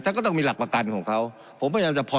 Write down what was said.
แล้วก็ต้องมีหลักประกันพบก็ต้องมีหลักประกันครับ